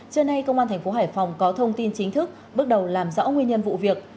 trưa nay công an thành phố hải phòng có thông tin chính thức bước đầu làm rõ nguyên nhân vụ việc